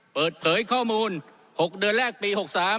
เปิดเผยข้อมูล๖เดือนแรกปี๖๓